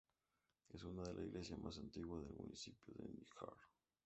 Es una de las iglesias más antiguas del municipio de Níjar.